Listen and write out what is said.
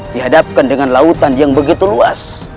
dihadapkan dengan lautan yang begitu luas